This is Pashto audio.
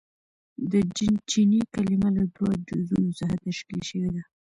• د جن چیني کلمه له دوو جزونو څخه تشکیل شوې ده.